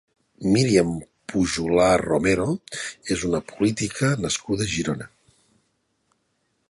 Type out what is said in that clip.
Míriam Pujola Romero és una política nascuda a Girona.